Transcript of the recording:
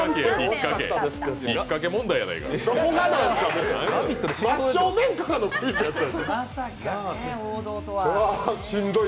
引っかけ問題やないかい。